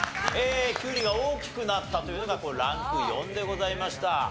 きゅうりが大きくなったというのがランク４でございました。